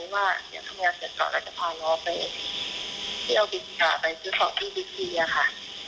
เราจะพาน้องไปที่เอาบิ๊กซีก่าไปซื้อของที่บิ๊กซีอะค่ะ